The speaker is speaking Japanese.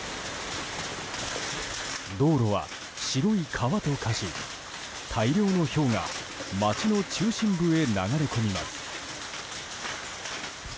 道路は白い川と化し大量のひょうが街の中心部へ流れ込みます。